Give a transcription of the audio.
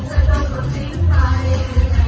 สวัสดีครับ